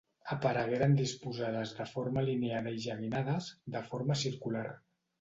Aparegueren disposades de forma alineada i geminades, de forma circular.